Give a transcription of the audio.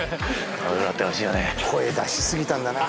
声出しすぎたんだな